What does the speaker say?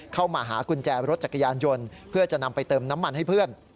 เข้ามาหากุญแจรถจักรยานยนต์เพื่อจะนำไปเติมน้ำมันให้เพื่อน